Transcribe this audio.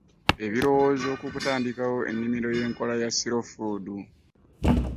Ebirowoozo ku kutandikawo ennimiro y’enkola ya “Slow Food”